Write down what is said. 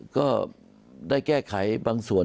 ก็ได้แก้ไขบางส่วน